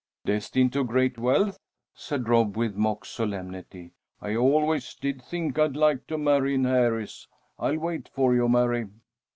"Destined to great wealth!" said Rob, with mock solemnity. "I always did think I'd like to marry an heiress. I'll wait for you, Mary."